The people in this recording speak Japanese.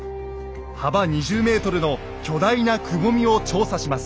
幅２０ｍの巨大なくぼみを調査します。